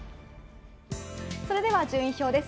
それでは順位表です。